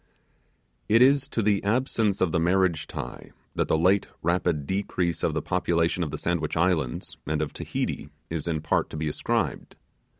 It is to the absence of the marriage tie that the late rapid decrease of the population of the Sandwich Islands and of Tahiti is in part to be ascribed.